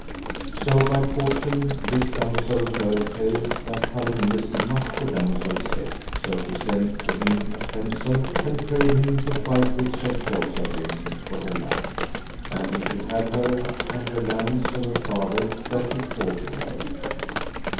So by fortune this damosel heard tell that Palomides did much for damosels' sake; so she sent to him a pensel, and prayed him to fight with Sir Corsabrin for her love, and he should have her and her lands of her father's that should fall to her.